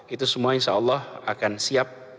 itu semua insyaallah akan siap